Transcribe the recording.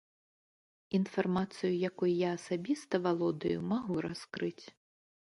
Інфармацыю, якой я асабіста валодаю, магу раскрыць.